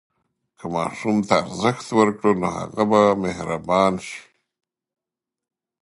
که ماشوم ته ارزښت ورکړو، نو هغه به مهربان شي.